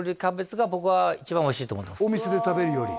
お店で食べるより？